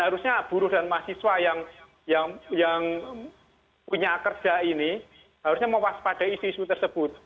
dan harusnya buru dan mahasiswa yang punya kerja ini harusnya mewaspadai isu isu tersebut